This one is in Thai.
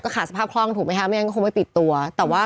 ทำงานครบ๒๐ปีได้เงินชดเฉยเลิกจ้างไม่น้อยกว่า๔๐๐วัน